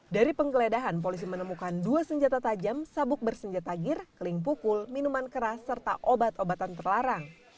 dari penggeledahan polisi menemukan dua senjata tajam sabuk bersenjata gir keling pukul minuman keras serta obat obatan terlarang